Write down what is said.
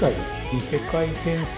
異世界転生。